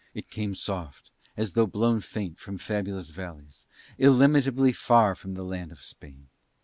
It came soft, as though blown faint from fabulous valleys, illimitably far from the land of Spain.